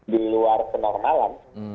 di luar kenormalan